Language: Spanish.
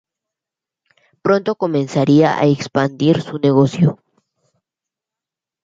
Pronto comenzaría a expandir su negocio.